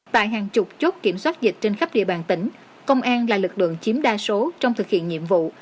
tại hàng chục chốt kiểm soát dịch trên khắp địa bàn tỉnh công an là lực lượng chiếm đa số trong thực hiện nhiệm vụ